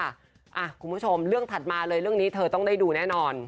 คุณผู้ชมเรื่องถัดมาเลยเรื่องนี้เธอต้องได้ดูแน่นอน